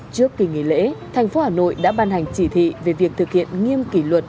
trước kỳ nghỉ lễ thành phố hà nội đã ban hành chỉ thị về việc thực hiện nghiêm kỷ luật